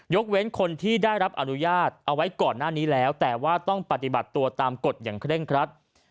เว้นคนที่ได้รับอนุญาตเอาไว้ก่อนหน้านี้แล้วแต่ว่าต้องปฏิบัติตัวตามกฎอย่างเคร่งครัด